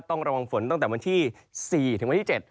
ต้องระวังฝนตั้งแต่วันที่๔ถึงวันที่๗